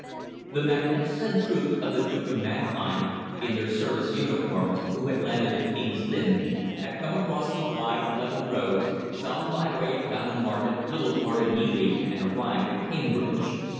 The magnificent troops of the Duke of Mannheim, in their service uniforms, who had landed at King's Lynn, had come across the wide, level roads, some by way of Downham Market, Littleport, and Ely, and arrived at Cambridge.